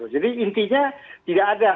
jadi intinya tidak ada